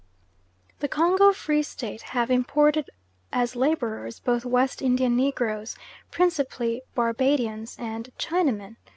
The Congo Free State have imported as labourers both West Indian negroes principally Barbadians and Chinamen.